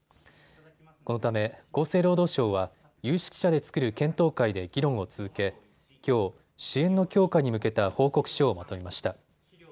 このため、厚生労働省は有識者で作る検討会で議論を続けきょう、支援の強化に向けた報告書をまとめました。